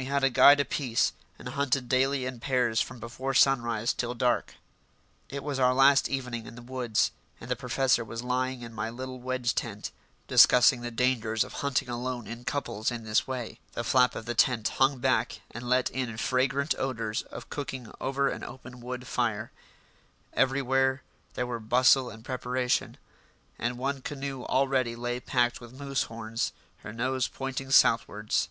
We had a guide apiece, and hunted daily in pairs from before sunrise till dark. It was our last evening in the woods, and the professor was lying in my little wedge tent, discussing the dangers of hunting alone in couples in this way. The flap of the tent hung back and let in fragrant odours of cooking over an open wood fire; everywhere there were bustle and preparation, and one canoe already lay packed with moose horns, her nose pointing southwards.